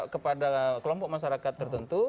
kepada kelompok masyarakat tertentu